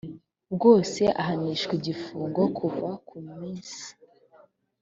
bwose ahanishwa igifungo kuva ku minsi